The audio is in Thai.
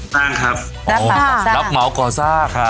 ครับครับครับครับครับครับครับครับครับครับครับครับครับครับ